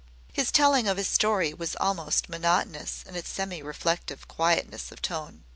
His telling of his story was almost monotonous in its semi reflective quietness of tone.